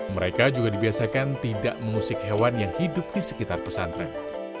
mereka juga dibiasakan tidak mengusik hewan yang hidup di sekitar pesantren